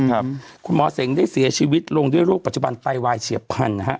ครับคุณหมอเสงได้เสียชีวิตลงด้วยโรคปัจจุบันไตวายเฉียบพันธุ์นะฮะ